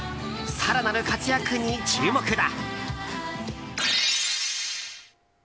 更なる活躍に注目だ。